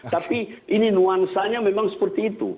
tapi ini nuansanya memang seperti itu